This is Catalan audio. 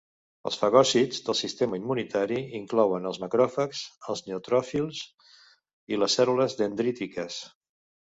Els fagòcits del sistema immunitari inclouen els macròfags, els neutròfils i les cèl·lules dendrítiques.